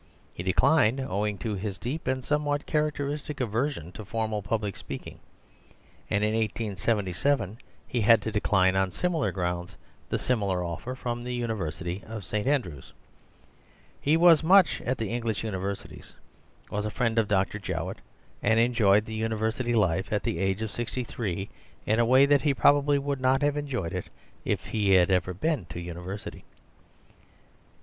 He declined, owing to his deep and somewhat characteristic aversion to formal public speaking, and in 1877 he had to decline on similar grounds the similar offer from the University of St. Andrews. He was much at the English universities, was a friend of Dr. Jowett, and enjoyed the university life at the age of sixty three in a way that he probably would not have enjoyed it if he had ever been to a university.